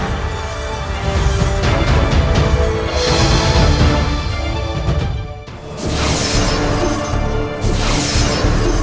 kau mencari dua blati